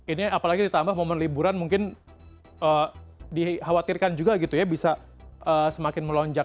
ini apalagi ditambah momen liburan mungkin dikhawatirkan juga gitu ya bisa semakin melonjak